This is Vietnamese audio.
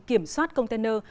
kiểm soát container